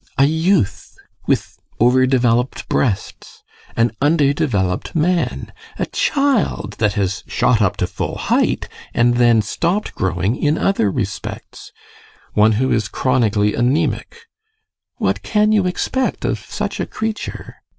A youth with over developed breasts; an under developed man; a child that has shot up to full height and then stopped growing in other respects; one who is chronically anaemic: what can you expect of such a creature?